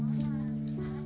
mencoba untuk mencoba